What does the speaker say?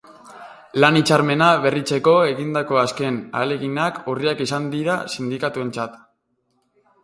Lan hitzarmena berritzeko egindako azken ahaleginak urriak izan dira sindikatuentzat.